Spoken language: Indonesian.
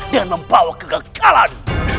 dan membawa kegagalan